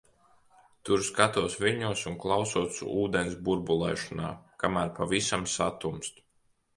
Tur skatos viļņos un klausos ūdens burbulēšanā, kamēr pavisam satumst.